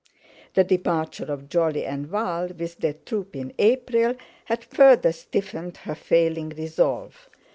The departure of Jolly and Val with their troop in April had further stiffened her failing resolve.